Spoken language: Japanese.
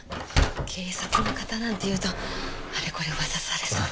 警察の方なんて言うとあれこれ噂されそうで。